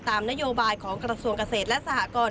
ตามนโยบายของกระทรวงเกษตรและสหกร